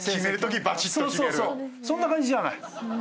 そんな感じじゃない。